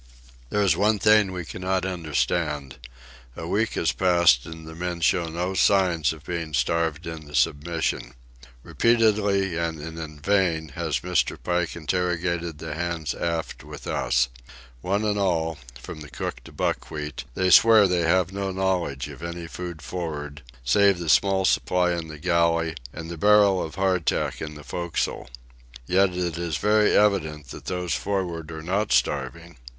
There is one thing we cannot understand. A week has passed, and the men show no signs of being starved into submission. Repeatedly and in vain has Mr. Pike interrogated the hands aft with us. One and all, from the cook to Buckwheat, they swear they have no knowledge of any food for'ard, save the small supply in the galley and the barrel of hardtack in the forecastle. Yet it is very evident that those for'ard are not starving.